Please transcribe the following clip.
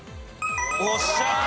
おっしゃー！